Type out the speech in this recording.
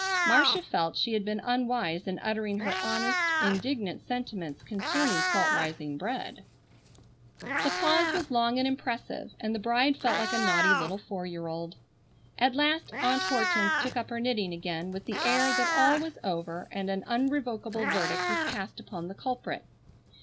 Marcia felt she had been unwise in uttering her honest, indignant sentiments concerning salt rising bread. The pause was long and impressive, and the bride felt like a naughty little four year old. At last Aunt Hortense took up her knitting again with the air that all was over and an unrevokable verdict was passed upon the culprit.